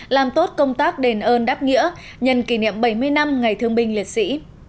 làm tốt công tác đền ơn đáp nghĩa nhân kỷ niệm bảy mươi năm ngày thương binh liệt sĩ